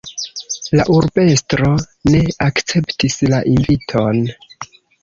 La urbestro ne akceptis la inviton.